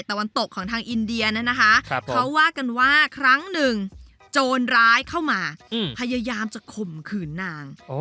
ตะวันตกของทางอินเดียนะคะเขาว่ากันว่าครั้งหนึ่งโจรร้ายเข้ามาพยายามจะข่มขืนนาง